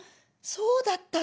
そうだったの？